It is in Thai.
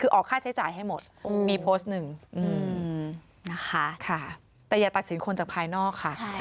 คือออกค่าใช้จ่ายให้หมดมีโพสต์หนึ่งนะคะแต่อย่าตัดสินคนจากภายนอกค่ะ